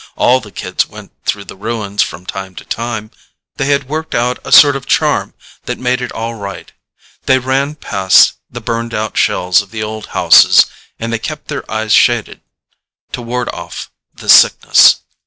All the kids went through the ruins from time to time. They had worked out a sort of charm that made it all right. They ran past the burned out shells of the old houses and they kept their eyes shaded to ward off the Sickness.